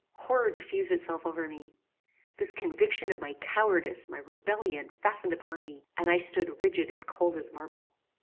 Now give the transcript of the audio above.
"Horror diffused itself over me. This conviction of my cowardice, my rebellion, fastened upon me, and I stood rigid and cold as marble.